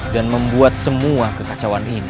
dan membuat semua kekacauan ini